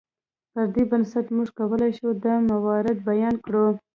پر دې بنسټ موږ کولی شو دا موارد بیان کړو.